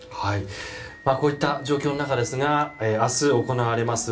こういった状況の中ですが明日行われます